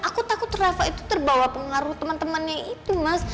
aku takut rafa itu terbawa pengaruh teman temannya itu mas